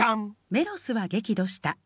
・「メロスは激怒した。